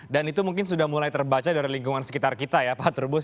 dan itu mungkin sudah mulai terbaca dari lingkungan sekitar kita ya pak terbus